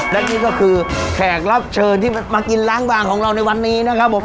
และนี่ก็คือแขกรับเชิญที่มากินล้างบางของเราในวันนี้นะครับผม